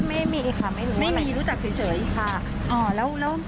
มีมีค่ะไม่มีรู้จักเฉยเฉยค่ะอ๋อแล้วแล้ว